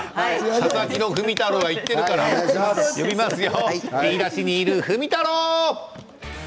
佐々木のふみたろうが行ってるから呼びますよ。